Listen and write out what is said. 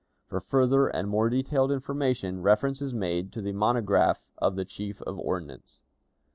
For further and more detailed information, reference is made to the monograph of the Chief of Ordnance.